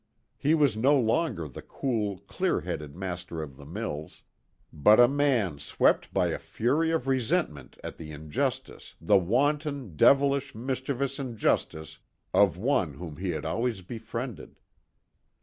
He was no longer the cool, clear headed master of the mills, but a man swept by a fury of resentment at the injustice, the wanton, devilish, mischievous injustice of one whom he had always befriended.